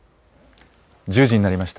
１０時になりました。